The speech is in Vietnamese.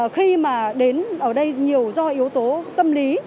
khi mà đến ở đây nhiều do yếu tố tâm lý